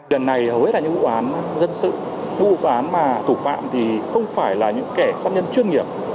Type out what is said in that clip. lần này hầu hết là những vụ án dân sự vụ án mà thủ phạm thì không phải là những kẻ sát nhân chuyên nghiệp